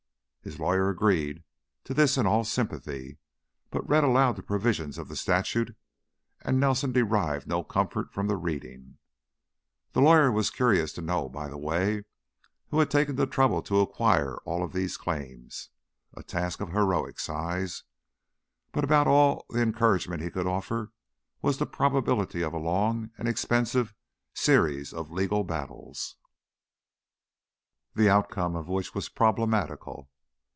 His lawyer agreed to this in all sympathy, but read aloud the provisions of the statute, and Nelson derived no comfort from the reading. The lawyer was curious to know, by the way, who had taken the trouble to acquire all of these claims a task of heroic size but about all the encouragement he could offer was the probability of a long and expensive series of legal battles, the outcome of which was problematical.